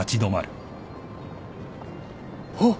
あっ！